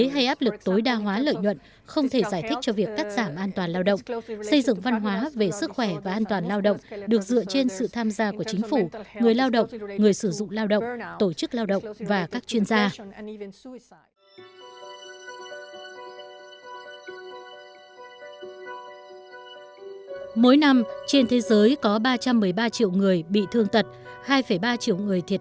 hãy đăng ký kênh để ủng hộ kênh của mình nhé